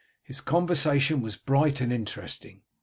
His conversation was bright and interesting.